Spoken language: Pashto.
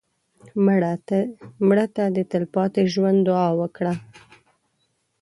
مړه ته د تلپاتې ژوند دعا وکړه